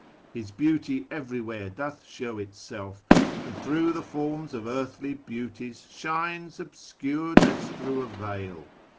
His Beauty everywhere doth show itself, And through the forms of earthly beauties shines Obscured as through a veil.